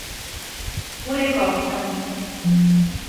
Pura incógnita.